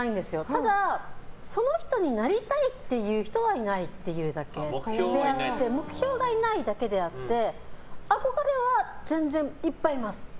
ただ、その人になりたいっていう人はいないっていうだけであって目標がいないだけであって憧れは全然いっぱいいます。